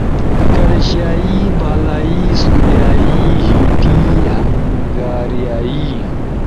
کرشیائی، بالائی سوربیائی، ہیٹی، ہنگاریائی